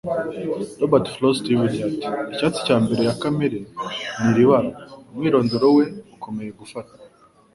Robert Frost yivugiye ati: "Icyatsi cya mbere cya Kamere ni" iri bara, "umwirondoro we ukomeye gufata"